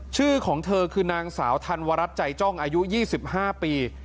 ชื่อของเธอคือนางสาวธันวรัฐใจจ้องอายุ๒๕ปี